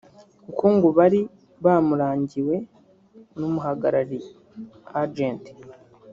kuko ngo bari bamurangiwe n’umuhagarariye (Agent)